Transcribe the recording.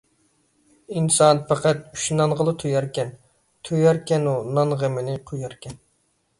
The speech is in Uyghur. ئىنسان پەقەت ئۈچ نانغىلا توياركەن، توياركەنۇ نان غېمىنى قوياركەن ...